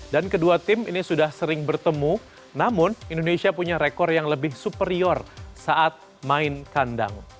dan kedua tim ini sudah sering bertemu namun indonesia punya rekor yang lebih superior saat main kandang